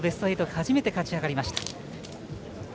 初めて勝ち上がりました。